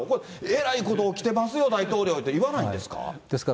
えらいこと起きてますよ、大統領って言わないんですか？